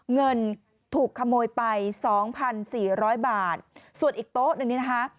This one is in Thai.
เงินถูกขโมยไป๒๔๐๐บาทส่วนอีกโต๊ะหนึ่งนี้นะคะ